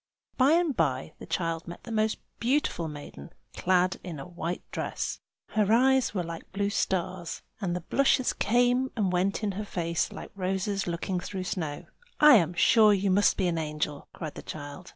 By and by the child met a most beautiful maiden, clad in a white dress. Her eyes were like blue stars, and the blushes came and went in her face like roses looking through snow. "I am sure you must be an angel!" cried the child.